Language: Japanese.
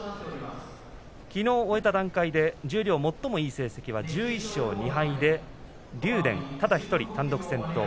きのう終えた段階で十両最もいい成績は１１勝２敗で竜電ただ１人単独先頭。